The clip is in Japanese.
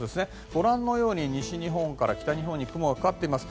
ご覧のように西日本から北日本に雲がかかっています。